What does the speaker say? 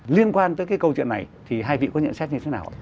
liên quan tới cái câu chuyện này thì hai vị có nhận xét như thế nào ạ